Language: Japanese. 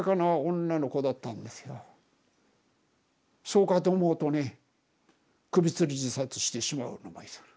そうかと思うとね首つり自殺してしまうのがいる。